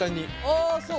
ああそう。